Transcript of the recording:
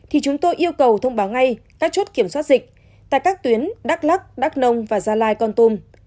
thì chúng tôi yêu cầu thông báo ngay các chốt kiểm soát dịch tại các tuyến đắk lắc đắk nông và gia lai con tum